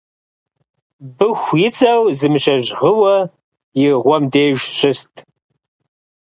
Быху ицӀэу зы мыщэжь гъыуэ и гъуэм деж щыст